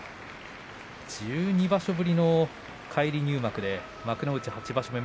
１２場所ぶりの返り入幕で幕内８場所目。